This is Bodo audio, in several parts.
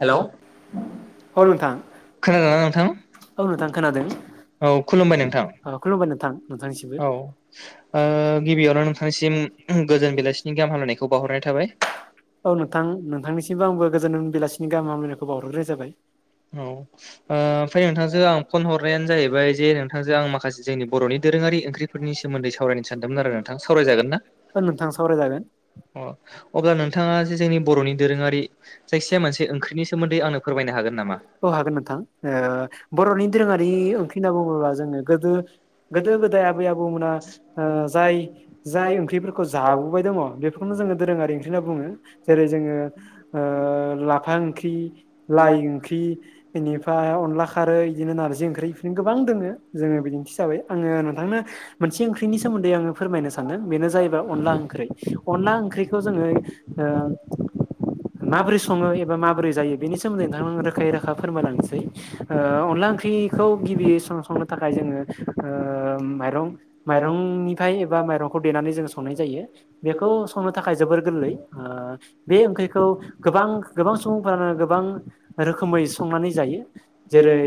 हेलौ औ नोंथां खोनादोंना नोंथां औ नोंथां खोनादों औ खुलुमबाय नोंथां ओ खुलुमबाय नोंथां नोंथांनिसिमबो औ ओ गिबियावनो नोंथांनिसिम गोजोन बिलाइसि गाहाम हामलायनायखौ बावहरनाय थाबाय औ नोंथां नोंथांनिसिमबो आंबो गोजोन बेलासिनि गाहाम हामलायनायखौ बावहरग्रोनाय जाबाय औ ओ ओमफ्राय नोंथांजों आं फन हरनायानो जाहैबाय जे नोंथांजों आं माखासे जोंनि बर'नि दोरोङारि ओंख्रिफोरनि सोमोन्दै सावरायनो सानदोंमोन आरो थां सावराय जागोनना ओ नोंथां सावरायजागोन अब्ला नोंथाङा जे जोंनि बर'नि दोरोङारि जायखिजाया मोनसे ओंख्रिनि सोमोन्दै आंनो फोरमायनो हागोन नामा औ हागोन नोंथां ओ बर'नि दोरोङारि ओंख्रि होनना बुङोब्ला जोङो गोदो गोदो गोदाय आबै आबौमोना ओ जाय जाय ओंख्रिफोरखौ जाबोबाय दङ बेफोरखौनो जोङो दो दोरोङारि ओंख्रि होनना बुंङो जेरै जोङो‌ ओ लाफा ओंख्रि लाइ ओंख्रि बेनिफ्राय अनला खारै बिदिनो नारजि ओंख्रि बिदिनो गोबां दोङो जोङो बिदिन्थि हिसाबै आङो नोंथांनो मोनसे ओंख्रिनि सोमोन्दै आङो फोरमायनो सानदों बेनो जाहैबाय अनला ओंख्रि अनला ओंख्रि जोङो ओ माबोरै सङो एबा माबोरै जायो बेनि सोमोन्दै नोंथां रोखायै रोखा फोरमायलांसै ओ अनला ओंख्रिखौ गिबि सं संनो थाखाय जोङो ओ ओ माइरं माइरंनिफ्राय एबा माइरंखौ देनानै जों संनाय जायो बेखौ संनो थाखाय जोबोर गोरलै ओ बे ओंख्रिखौ गोबां गोबां सुबुंफ्रानो गोबां रोखोमै संनानै जायो जेरै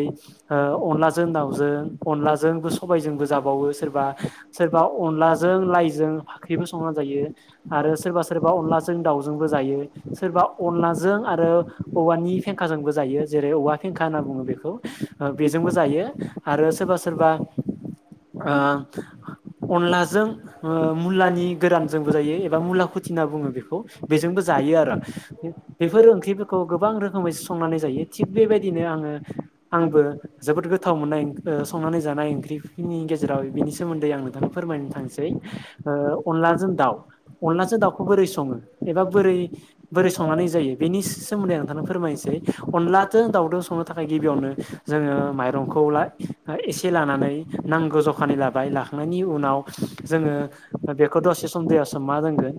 ओ अनलाजों दाउजों अनलाजोंबो सं सबायजोंबो जाबावो सोरबा सोरबा अनलाजों लाइजों फाख्रिबो संनानै जायो आरो सोरबा सोरबा अनलाजों दाउजोंबो जायो सोरबा अनलाजों आरो औवानि फेंखाजोंबो जायो जेरै औवा फेंखा होनना बुङो बेखौ बेजोंबो जायो आरो सोरबा सोरबा ओ अनलाजों ओ मुलानि गोरानजोंबो जायो एबा मुला खुथि होनना बुङो बेखौ बेजोंबो जा जायो आरो बेफोर ओंख्रिफोरखौ गोबां रोखोमै संनानै जायो थिग बेबायदिनो आङो आंबो जोबोद गोथाव मोननाय ओ संनानै जानाय ओं नि गेजेराव बिनि सोमोन्दै आं नोंथांनो फोरमायनो थांसै ओ अनलाजों दाउ अनलासो दाउखौ बोरै सङो एबा बोरै बोरै संनानै जायो बेनि सोमोन्दै नोंथांनो फोरमायनोसै अनलाजों दाउजों संनो थाखाय गिबियावनो जोङो माइरंखौ ला एसे लानानै नांगौ जखानि लाबाय लाखांनायनि उनाव जोङो बेखौ दसे सम दैयाव सोमना दोनगोन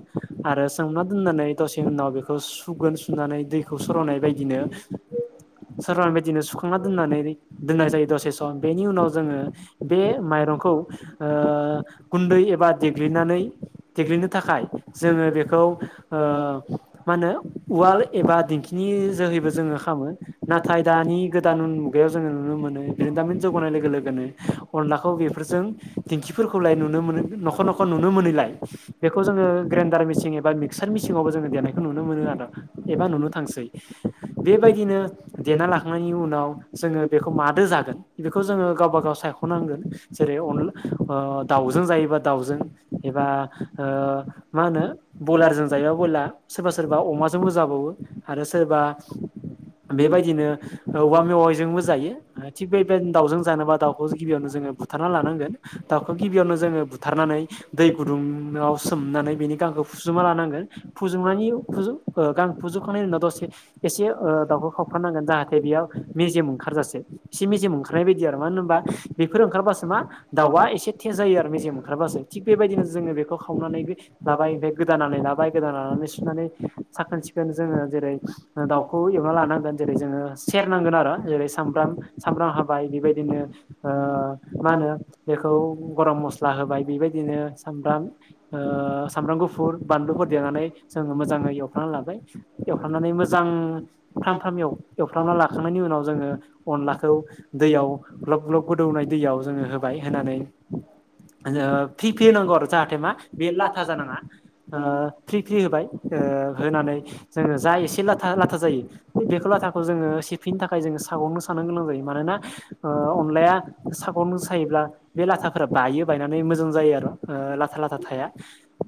आरो सोमना दोननानै दसे उनाव बेखौ सुगोन सुनानै दैखौ सर'नाय बायदिनो [inaudible] सोरबा बिदिनो सुखांना दोननानै दोननाय जायो दसे सम बेनि उनाव जोङो बे माइरं खौ ओ गुन्दै एबा देग्लिनानै देग्लिनो थाखाय जोङो बेखौ ओ मा होनो उवाल एबा दिंखिनि जोहैबो जोङो खामो नाथाय दानि गोदान मुगायाव जोङो नुनो मोनो बिरोंदामिन जौगनाय लोगो लोगोनो नाखौ बोफोरजों दिंखिफोरखौलाय नुनो मोनो न'खर न'खर नुनो मोनिलाय बेखौ जोङो ग्रेन डार मिसिं एबा मिक्सार मिसिंआवबो जोङो देनायखौ नुनो मोनो आरोा एबा नुनो थांसै। बेबायदिनो देना लाखांनायनि उनाव जोङो बेखौ मादो जागोन बेखौ जोङो गावबा गाव सायख'नांगोन जेरै अनल दाउजों जायोबा दाउजों एबा ओ मा होनो ब्रयलारजों जायोबा बयला सोरबा सोरबा अमाजोंबो जाबावो। आरो सोरबा [inaudible] बेबायदिनो औवा मेवाइजोंबो जायो थिग बेबायदिनो दाउजों जानोबा दाउखौ गिबियावनो जोङो बु थारना लानांगोन दाउखौ गिबियावनो जोङो बुथारनानै दै गुदुंआव सोमनानै बेनि गांखौ फुजुमा लानांगोन फुजोबनायनि फुज गां फुजोबखांनायनि उनाव दसे एसे ओ दाउखौ खावथानांगोन जाहाथे बेयाव मेजेम ओंखारजासे एसे मेजेम ओंखारनाय बायदि आरो मानो होनबा बेफोर ओंखारबासो मा दाउआ एसे थेज जायो आरो मेजेम ओंखारबासो थिग बेबायदिनो जोङो बेखौ खावनानै बे लाबाय ओमफाय गोदानानै लाबाय गोदान लानानै सुनानै साखोन सिखोन जोङो जेरै दाउ खौ एवना लांगोन जेरै जोङो सेरनांगोन आरो जेरै सामब्राम सामब्राम हाबाय बेबायदिनो ओ मा होनो बेखौ गरम मस्ला होबाय बेबायदिनो सामब्राम ओ सामब्राम गुफुर बानलुफोर देनानै जो मोजाङै एवखाना लाबाय। एव थनानै मोजां फ्राम फ्रामयाव एव- एवफ्रामना लाखांनायनि उनाव जोङो अनलाखौ दैयाव ग्लब ग्लब गोदौनाय दैयाव जोङो होबाय होनानै ओ फि फि नांगौ आरो जाहाथे मा बे लाथा जानाङा। फ्रि फ्रि होबाय होनानै जोङो जा एसे लाथा लाथा जायो बेखौ लाथाखौ जोङो सेफिनो थाखाय जोङो सागंनो साननो गोनां जायो मानोना अनलाया खौ मोसायोब्ला बे लाथाफोरा बायो बायनानै मोजां जायो आरो लाथा लाथा थाया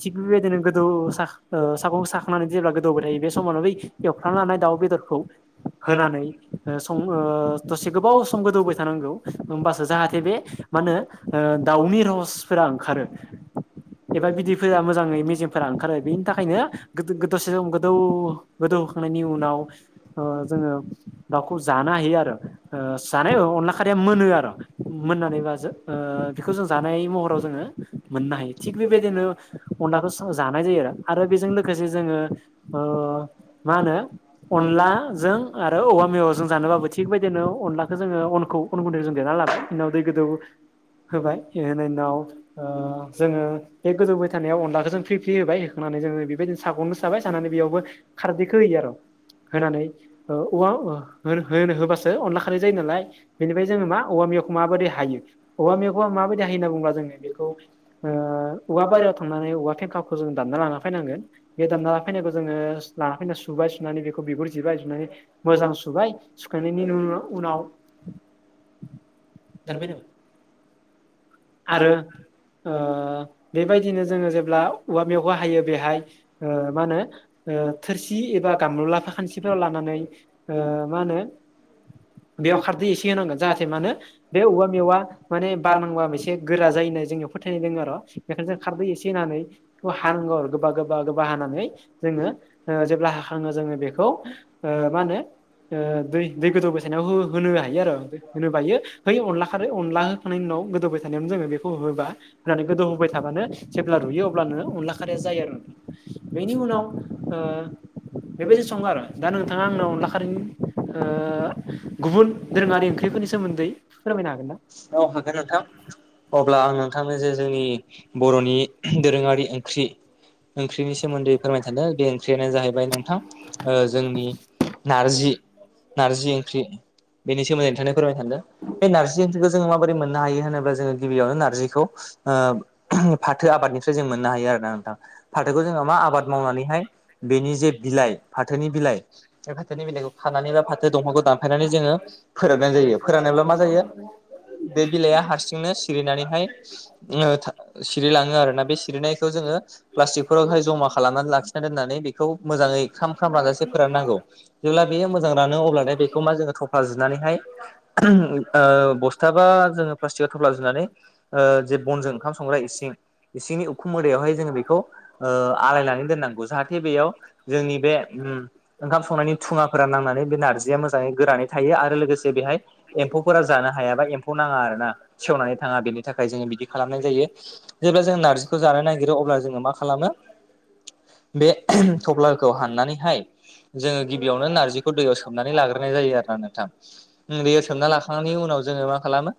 थिग बेबायदिनो गोदौ साग-साखागखौ साखांनानै जेब्ला गोदौबाय थायो बे समावनो बै एवफ्रां लानाय दाउ बेदरखौ होनानै सं ओ दसे गोबाव सम गोदौबाय थानांगौ हबासो जाहाथे बे मा होने दाउनि रहसफोरा ओंखारो। एबा बिदैफोरा मोजाङै मेजेमफोरा ओंखारो बेनि थाखायनो गोदो गोदसे सम गोदौ बदौ हखांनायनि उनाव ओ जोङो दाउखौ जानो हायो आरो जानाय अनला खारिया मोनो [unintelligible] मोननानै बा जोओ बेखौ जों जानाय महराव जोङो मोननो हायो। थिग बेबायदिनो अलाखौ सो जानाय जायो आरो आरो बेजों लोगोसे जोङो ओ मा होनो [unintelligible] अनलाजों आरो औवा मेवजों जानोबाबो थिग बेदिनो अनलाखौ जोङो अनखौ अन गुन्दै जों दे [unintelligible] होबाय होनाय उनाव जोङो बे गोजौबाय थानायाव अनलाखौ जों फ्रि फ्रि होबाय हो माने जोङो बेबायदिनो साग'नो साबाय सानानै बेयावबो खारदैखौ होयो आर'। होनानै ओ औवा होनो- होबासो अनला खारै जायो नालाय बेनिफ्राय जोङो मा वा मेवाखौ माबायदि हायो औवा मेवखौ माबायदि हायो होनना बुंबा जोङो बेखौ औवा बारियाव वा फेखाखौ जों दानना लाना फैनांगोन। बे दानना फैनायखौ जोङो ला फैना सुबाय सु खौ बिगुर जिबाय बिुनानै मोजां सुबाय सुखांनायनि उ- उन- उनाव [unintelligible] आरो ओ बेबायदिनो जोङो जेब्ला औवा मेवखौ हायो बेहाय मा होनो ओ थोरसि एबा गामलु लाफा खानसिफोराव लानानै ओ मा होनो बेयाव खारदै एसे होनांगोन जाहाथे मानो बे औवा मेवआ माने बारनांबा एसे गोरा जायो होननाय जोंनियाव फोथायनाय दङ आर' बेखायनो जों खारदै एसे होननानै हानांगौ आरो गोबा गोबा गोबा हानानै जोङो जेब्ला हाखङो जोङो बेखौ ओ मा होनो दै- दै गोदौ बसायनायाव हो- होनो हायो आरो होनो बायो है अनला खारो अनला होानाय उन गोदोबबाय थ जोङो बेखौ हो होबा होनानै गोदौ होबाय थाबानो जेब्ला रुयो अब्लानो अनला खारिया जायो आरो बेनि उनाव बेबायदि सङो आरो दा नोंथाङा आंनाव अनला खारिनि गुबुन दोरोङारि ओंख्रिफोरनि सोमोन्दै फोरमायनो हागोन ना? औ हागोन नोंथां अब्ला आं नोंथांनो जे जोंनि बर'नि दोरोङारि ओंख्रि ओंख्रिनि सोमोन्दै फोरमायनो सानदों बे ओंख्रियानो जाहैबाय नोंथां जोंनि नारजि नारजि ओंख्रि बेनि सोमोन्दै नोंथांनि फोरमायनो सानदों बे नारजि ओंख्रिखौ जोङो माबोरै मोननो हायो होनोब बा जोङो गिबियावनो नारजिखौ फाथो आबादनिफ्राय जों मोननो हायो आरोना नोंथां फाथोखौ जोङो मा आबाद मावनानैहाय बेनि जे बिलाइ फाथोनि बिलाइ फाथोनि बिलाइखौ खानानै बा फाथो दंफांखौ दानफायनानै जोङो फोराननाय जायो फोरानोब्ला मा जायो बे बिलाइआ हारसिंनो सिरिनानैहाय सिरिलाङो आरोना बे सिरिनायखौ जोङो प्लास्टिकफोरावहाय जमा खालामनानै लाखिनानै दोन्नानै बेखौ मोजाङै ख्राम ख्राम रानजासे फोराननांगौ जेब्ला बेयो मोजां रानो अब्लाथाय बेखौ मा जोङो थफ्ला जुनानैहाय ओ बस्थाबा जोङो पास्टि थफ्ला जुनानै ओ जे बनजों ओंखाम संग्रा इसिं इसिंनि उखुम मोदायावहाय जोङो बेखौ ओ आलायनानै दोननांगौ जाहाथे बेयाव जोंनि बे उम ओंखाम संनायनि थुङाफोरा नांनानै बे नारजिया मोजाङै गोरानै थायो आरो लोगोसे बेहाय एम्फौफोरा जानो हायाबा एम्फौ नाङा आरो ना सेवनानै थाङा बेनि थाखाय जोङो बिदि खालामनाय जायो जेब्ला जों नारजिखौ जानो नागिरो अब्ला जोङो मा खालामो बे थफ्लाखौ हाननानैहाय जोङो गिबियावनो नारजिखौ दैयाव सोमनानै लाग्रोनाय जायो आरो ना नोंथां दैयाव सोमना लाखांनायनि उनाव औ जोङो मा खालामो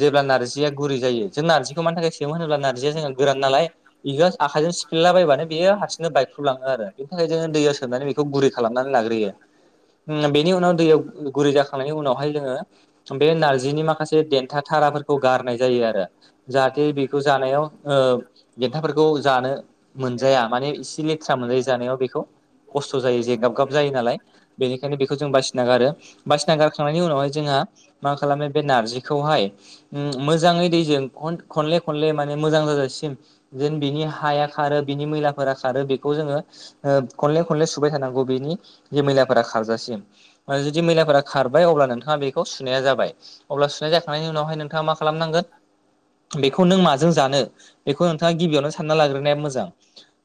जेब्ला नारजिया गुरै जायो जों नारजिखौ मानि थाखाय सोमो होनोब्ला नारजिया जोंना गोरान नालाय बेखौ आखाइजों सि फिनलाबायबानो बियो हारसिंनो बायख्रुब लाङो आरो बेनि थाखाय जोङो दैया सोमनानै बेखौ गुरै खालामनानै लाग्रोयो। उम बेनि उनाव दैयाव गुरै जाखांनायनि उनावहाय जोङो बे नारजिनि माखासे देन था थाराफोरखौ गारनाय जायो आरो जाहाथे बेखौ जानायाव ओ देन्थाफोरखौ जानो मोनजाया माने इसे लेथ्रा मोनजायो जानायाव बेखौ खस्थ' जायो जेंगाब गाब जायो नालाय बेनिखायनो बेखौ जों बासिना गारो बासिना गारखांनायनि उनावहाय जोंहा मा खालामो बे नारजि खौहाय उम मोजाङै दैजों खन-खनले खनले माने मोजां जाजासिम जेन बिनि हाया खारो बिनि मैलाफोरा खारो बेखौ जोङो ओ खनले खनले सुबाय थानांगौ बिनि मैलाफोरा खारजासिम ओमफाय जुदि मैलाफोरा खारबाय अब्ला नोंथाङा बेखौ सुनाया जाबाय अब्ला सु नाय जाखांनायनि उनावहाय नोंथाङा मा खालामनांगोन बेखौ नों माजों जानो बेखौ नोंथाङा गिबियावनो सानना लाग्रोनाया मोजां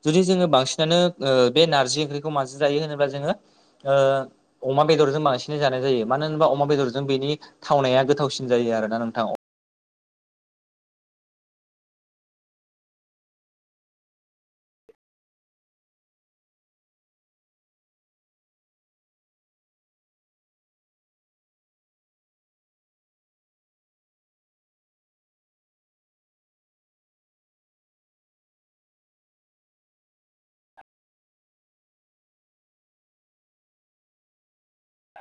जुदि जोङो बांसि बांसिनानो ओ बे नारजि ओंख्रिखौ माजों जायो होनोब्ला जोङो ओ अमा बेदरजों बांसिनै जानाय जायो मानो होनबा अमा बेदरजों बेनि थावनाया गोथावसिन। जायो आरोना नोंथां अ